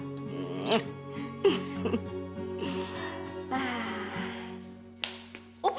ah mudak bagi kepisan